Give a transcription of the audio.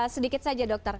sedikit saja dokter